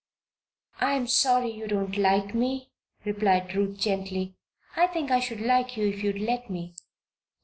"I am sorry you do not like me," replied Ruth, gently. "I think I should like you if you'd let me."